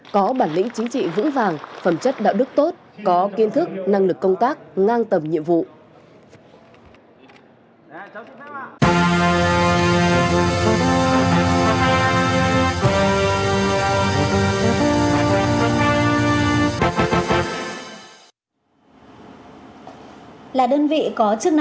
có bản lĩnh chính trị vững vàng phẩm chất đạo đức tốt có kiên thức năng lực công tác ngang tầm nhiệm vụ